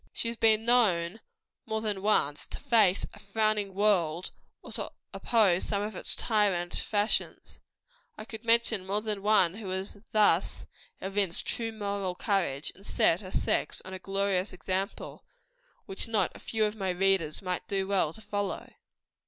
She has been known, more than once, to "face a frowning world," or to oppose some of its tyrant fashions. I could mention more than one who has thus evinced true moral courage, and set her sex a glorious example, which not a few of my readers might do well to follow.